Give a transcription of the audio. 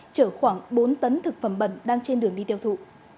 chở khoảng bốn tấn thực phẩm bẩn đang trên đường đi tiêu thụ